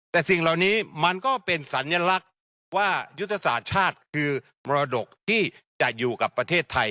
แต่สิ่งเหล่านี้มันก็เป็นสัญลักษณ์ว่ายุทธศาสตร์ชาติคือมรดกที่จะอยู่กับประเทศไทย